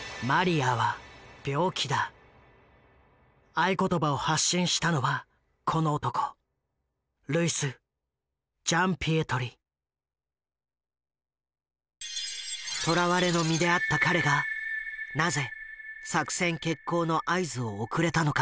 合言葉を発信したのはこの男捕らわれの身であった彼がなぜ作戦決行の合図を送れたのか？